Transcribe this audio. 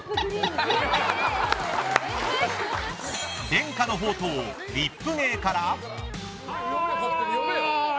伝家の宝刀、リップ芸から。